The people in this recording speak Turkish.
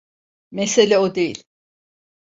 Mesele o değil.